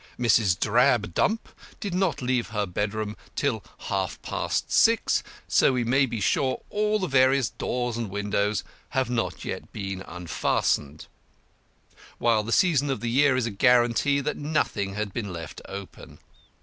Mrs. Drabdump did not leave her bedroom till half past six, so that we may be sure all the various doors and windows have not yet been unfastened; while the season of the year is a guarantee that nothing had been left open.